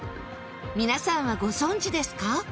皆さんはご存じですか？